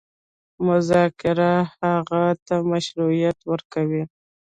مذاکره هغوی ته مشروعیت ورکوي.